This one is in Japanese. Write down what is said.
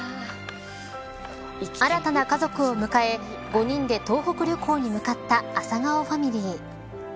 新たな家族を迎え５人で東北旅行に向かった朝顔ファミリー。